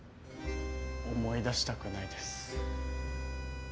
思い出したくないです。